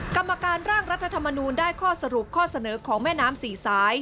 กรรมการร่างรัฐธรรมนูลได้ข้อสรุปข้อเสนอของแม่น้ำสี่สาย